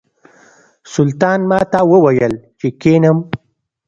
سلطان ماته وویل چې کښېنم.